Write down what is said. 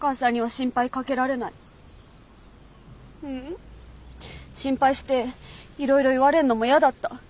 心配していろいろ言われんのも嫌だった。